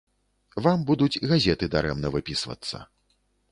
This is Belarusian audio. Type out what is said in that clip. Вам будуць газеты дарэмна выпісвацца.